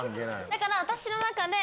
だから私の中で。